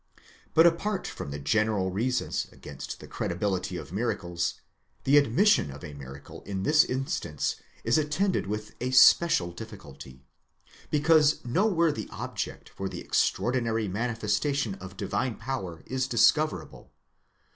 But, apart from the general reasons against the credi bility of miracles, the admission of a miracle in this instance is attended with a special difficulty, because no worthy object for an extraordinary manifestation of divine power is discoverable.